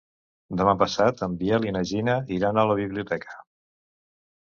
Demà passat en Biel i na Gina iran a la biblioteca.